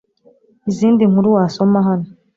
Izindi nkuru wasoma hano